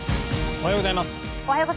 おはようございます。